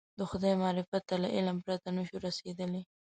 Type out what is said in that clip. د خدای معرفت ته له علم پرته نه شو رسېدلی.